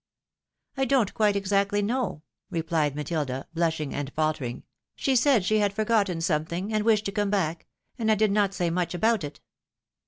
"" I don't quite exactly know," repUed Matilda, blushing and faltering. " She said she had forgotten something, and wished to come back, and I did not say much about it."